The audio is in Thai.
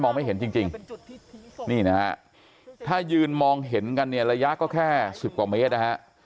มองไม่เห็นจริงนี่นะถ้ายืนมองเห็นกันเนี่ยระยะก็แค่๑๐กว่า